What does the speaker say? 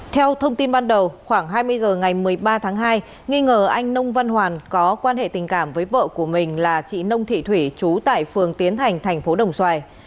theo thông tin ban đầu khoảng hai mươi h ngày một mươi ba tháng hai nghi ngờ anh nông văn hoàn có quan hệ tình cảm với vợ của mình là chị nông thị thủy chú tại phường tiến thành thành phố đồng xoài